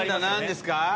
何ですか？